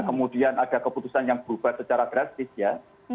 kemudian ada keputusan yang berubah secara gratis ya